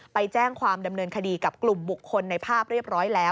ไปแจ้งความดำเนินคดีกับกลุ่มบุคคลในภาพเรียบร้อยแล้ว